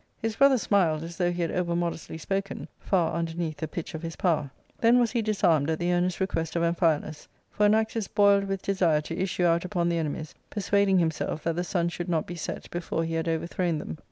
His brothers smiled, as though he had over modestly spoken, far under neath the pitch of his power. Then was he disarmed at the earnest request of Amphialus ; for Anaxius boiled with desice to issue out upon the enemies, persuading himself that the sun should not be set before he had overthrown them.